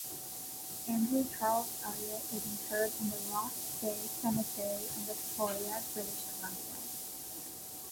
Andrew Charles Elliott is interred in the Ross Bay Cemetery in Victoria, British Columbia.